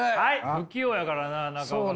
不器用やからな中岡君